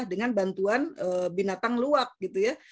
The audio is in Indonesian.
dengan bantuan binatang luwak gitu ya